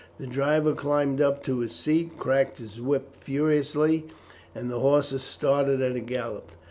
The driver climbed up to his seat, cracked his whip furiously, and the horses started at a gallop.